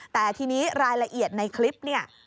แต่ทีนี้รายละเอียดในคลิปเนี่ย